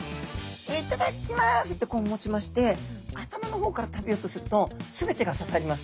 「いっただっきます」ってこう持ちまして頭の方から食べようとすると全てが刺さります。